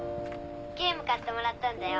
ゲーム買ってもらったんだよ。